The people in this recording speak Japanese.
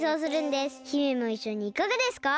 姫もいっしょにいかがですか？